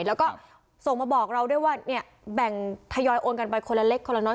แล้วก็ส่งมาบอกเราได้บ่อนแบ่งทยอดการณ์ไปคนละเล็กกับคนละน้อย